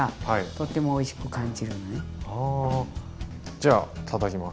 じゃたたきます。